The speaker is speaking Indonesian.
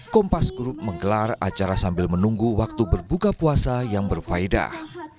kompas grup menggelar acara sambil menunggu waktu berbuka puasa yang berfaedah